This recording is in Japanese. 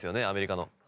アメリカの。